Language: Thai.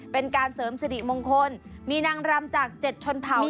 เป็นการเสริมสิริมงคลมีนางรำจาก๗ชนเผ่า